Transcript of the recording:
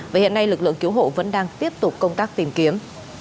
và hiện nay lực lượng cứu hộ vẫn đang tiếp tục công tác tìm kiếm